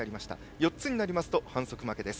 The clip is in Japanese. ４つになりますと反則負けです。